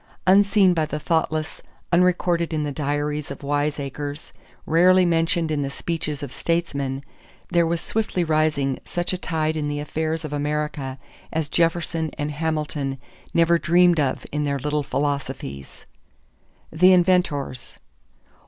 Unseen by the thoughtless, unrecorded in the diaries of wiseacres, rarely mentioned in the speeches of statesmen, there was swiftly rising such a tide in the affairs of America as Jefferson and Hamilton never dreamed of in their little philosophies. =The Inventors.